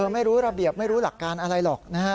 ไม่รู้ระเบียบไม่รู้หลักการอะไรหรอกนะฮะ